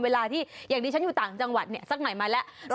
เวลาที่อย่างนี้ฉันอยู่ต่างจังหวัดเนี่ยสักหน่อยมาแล้ว